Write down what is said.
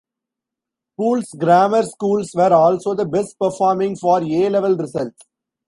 Poole's grammar schools were also the best performing for A-level results.